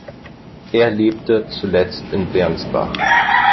Er lebte zuletzt in Bernsbach.